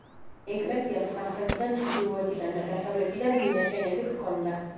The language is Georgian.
ეკლესიას სამხრეთიდან, ჩრდილოეთიდან და დასავლეთიდან მინაშენები ჰქონდა.